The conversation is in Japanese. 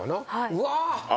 うわ。